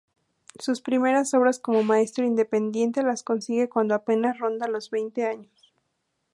Sus primeras obras como maestro independiente las consigue cuando apenas ronda los veinte años.